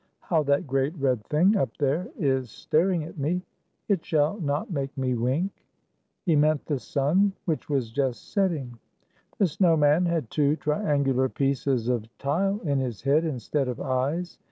How that great red thing up there is star ing at me! It shall not make me wink." He meant the sun, which was just setting. The snow man had two triangular pieces of tile in his head, instead of eyes.